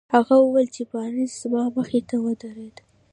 هغه وويل چې بارنس زما مخې ته ودرېد.